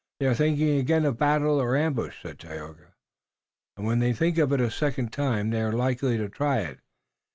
"They are thinking again of battle or ambush," said Tayoga, "and when they think of it a second time they are likely to try it.